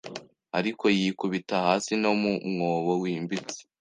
Ariko yikubita hasi no mu mwobo wimbitse